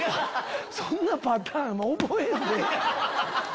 そんなパターン覚えんでええ！